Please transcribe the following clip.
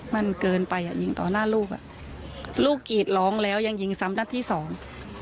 มันเกินไปอ่ะยิงต่อหน้าลูกอ่ะลูกกรีดร้องแล้วยังยิงซ้ำนัดที่สอง